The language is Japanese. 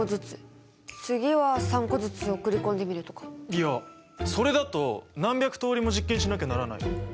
いやそれだと何百通りも実験しなきゃならない。